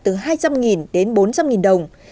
từ hai trăm linh đến bốn trăm linh đồng